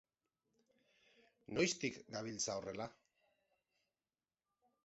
Noiztik gabiltza horrela?